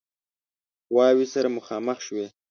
قواوې سره مخامخ شوې.